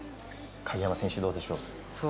鍵山選手、どうでしょう。